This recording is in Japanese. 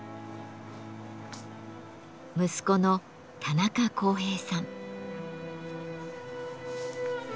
息子の田中宏平さん。